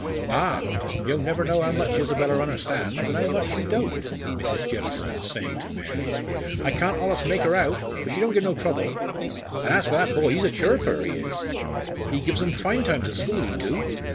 "Ah! yo never know how much Isabella unnerstan's, an' how much she don't," Mrs. Jellison was saying to Mary. "I can't allus make her out, but she don't give no trouble. An' as for that boy, he's a chirruper, he is. He gives 'em fine times at school, he do.